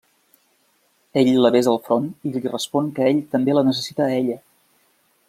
Ell la besa al front i li respon que ell també la necessita a ella.